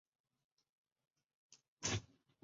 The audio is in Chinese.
滇东杜根藤为爵床科杜根藤属的植物。